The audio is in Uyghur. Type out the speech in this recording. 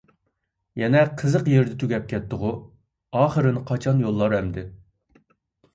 يەنە قىزىق يېرىدە تۈگەپ كەتتىغۇ؟ ئاخىرىنى قاچان يوللار ئەمدى؟